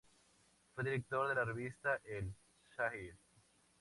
Fue director de la revista "El Zahir".